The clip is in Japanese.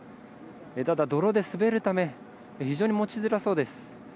ただ、泥で滑るため非常に持ちづらそうです。